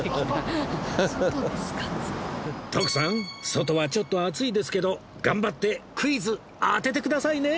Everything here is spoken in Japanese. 徳さん外はちょっと暑いですけど頑張ってクイズ当ててくださいね！